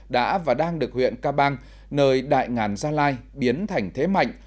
đã và đang được huyện ca bang nơi đại ngàn gia lai biến thành thế mạnh